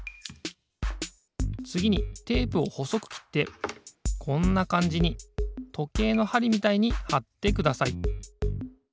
つぎにテープをほそくきってこんなかんじにとけいのはりみたいにはってください。